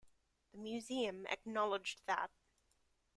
The museum acknowledged that.